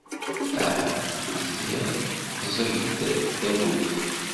Aha ziɣ ẓẓeg-d tagut.